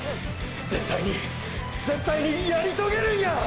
絶対に絶対にやり遂げるんやぁッ！！